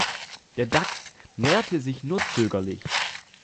Der Dachs näherte sich nur zögerlich.